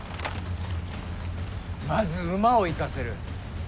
まず馬を行かせる。